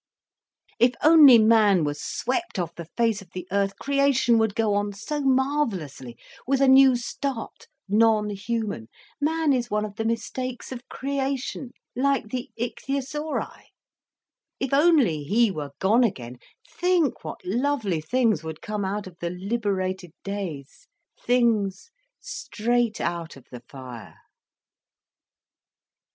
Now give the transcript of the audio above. "If only man was swept off the face of the earth, creation would go on so marvellously, with a new start, non human. Man is one of the mistakes of creation—like the ichthyosauri. If only he were gone again, think what lovely things would come out of the liberated days;—things straight out of the fire."